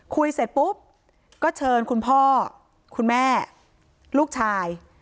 เสร็จปุ๊บก็เชิญคุณพ่อคุณแม่ลูกชาย